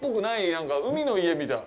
なんか海の家みたい。